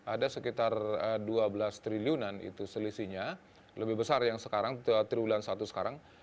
ada sekitar dua belas triliunan itu selisihnya lebih besar yang sekarang triwulan satu sekarang